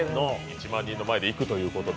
１万人の前でいくということで。